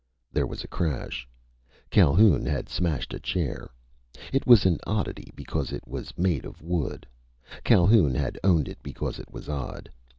There was a crash. Calhoun had smashed a chair. It was an oddity because it was make of wood. Calhoun had owned it because it was odd.